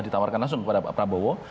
ditawarkan langsung kepada pak prabowo